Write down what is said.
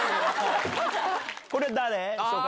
これ誰？